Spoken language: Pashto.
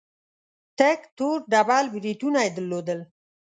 تک تور ډبل برېتونه يې درلودل.